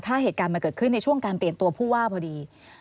ถ้าเหตุการณ์มันเกิดขึ้นในช่วงการเปลี่ยนตัวผู้ว่าพอดี